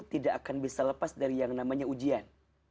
tidak akan bisa lepas dari yang namanya ujian